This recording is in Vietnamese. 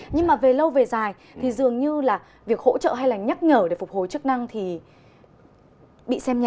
nhưng mà về lâu về dài thì dường như là việc hỗ trợ hay là nhắc nhở để phục hồi chức năng thì bị xem nhẹ